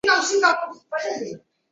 村中经济主要以农业为主。